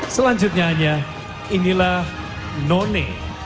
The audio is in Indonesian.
selanjutnya hanya inilah none